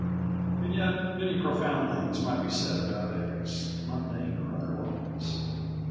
And yet many profound things might be said about eggs, mundane or otherwise.